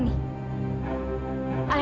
di rumah ini